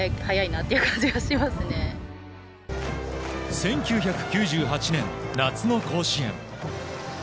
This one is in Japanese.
１９９８年、夏の甲子園。